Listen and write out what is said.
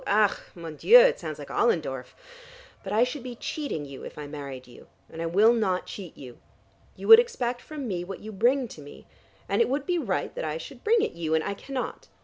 Ah, mon Dieu, it sounds like Ollendorf. But I should be cheating you if I married you, and I will not cheat you. You would expect from me what you bring to me, and it would be right that I should bring it you, and I cannot.